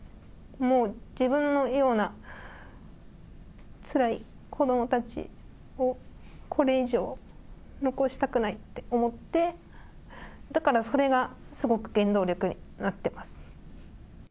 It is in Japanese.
もう、自分のようなつらい子どもたちを、これ以上、残したくないって思って、だからそれがすごく原動力になってます。